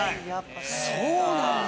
そうなんだ！